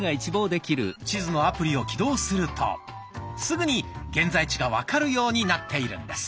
地図のアプリを起動するとすぐに現在地が分かるようになっているんです。